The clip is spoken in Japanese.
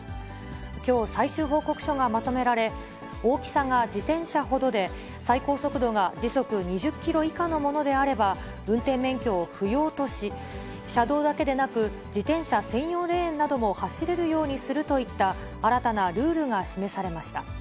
きょう、最終報告書がまとめられ、大きさが自転車ほどで最高速度が時速２０キロ以下のものであれば、運転免許を不要とし、車道だけでなく、自転車専用レーンなども走れるようにするといった新たなルールが示されました。